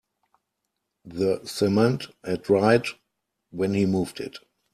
The cement had dried when he moved it.